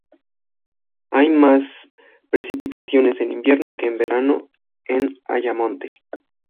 Hay más precipitaciones en invierno que en verano en Ayamonte.